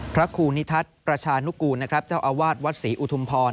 พระครูนิทัศน์ประชานุกูลนะครับเจ้าอาวาสวัดศรีอุทุมพร